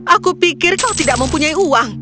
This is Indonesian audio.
aku pikir kau tidak mempunyai uang